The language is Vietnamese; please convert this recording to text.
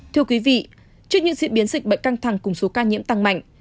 thưa quý vị trước những diễn biến dịch bệnh căng thẳng cùng số ca nhiễm tăng mạnh